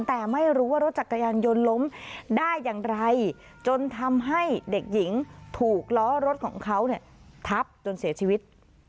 แต่ไม่รู้ว่ารถจักรยานยนต์ล้มได้อย่างไรจนทำให้เด็กหญิงถูกล้อรถของเขาเนี่ยทับจนเสียชีวิต